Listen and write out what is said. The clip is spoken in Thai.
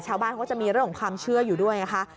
ชาวบ้านเขาก็จะมีเรื่องของความเชื่ออยู่ด้วยนะคะ